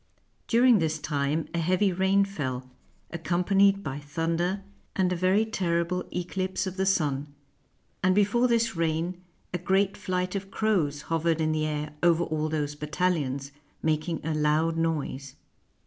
During this time a heavy rain fell, accompanied by thunder and a very terrible 17s FRANCE eclipse of the sun; and before this rain a great flight of crows hovered in the air over all those battalions, mak ing a loud noise.